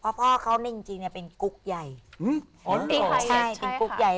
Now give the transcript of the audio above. พ่อพ่อเขานี่จริงจริงเนี้ยเป็นกุ๊กใหญ่อืมใช่เป็นคุกใหญ่